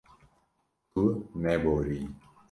Tu neboriyî.